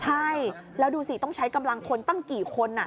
ใช่แล้วดูสิต้องใช้กำลังคนตั้งกี่คน